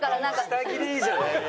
「下着」でいいじゃないの。